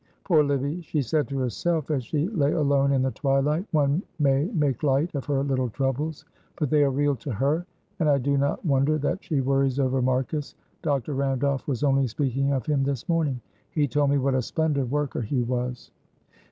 "Poor Livy," she said to herself, as she lay alone in the twilight, "one may make light of her little troubles, but they are real to her. And I do not wonder that she worries over Marcus. Dr. Randolph was only speaking of him this morning. He told me what a splendid worker he was.